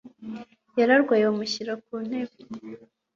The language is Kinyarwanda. Yararwaye bamushyira ku ntebe.